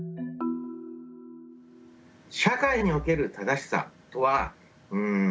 社会における「正しさ」とはん